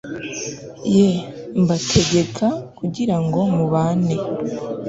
ye mbategeka kugira ngo mubone